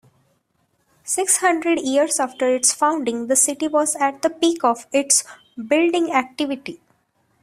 Six hundred years after its founding, the city was at the peak of its building activity.